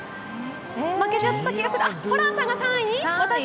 負けちゃった気がするホランさんが２位？